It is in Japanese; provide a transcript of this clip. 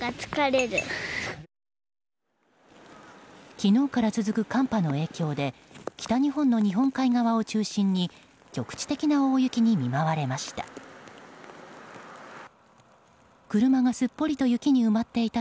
昨日から続く寒波の影響で北日本の日本海側を中心に局地的な大雪に見舞われました。